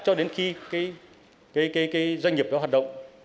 cho đến khi cái doanh nghiệp đó hoạt động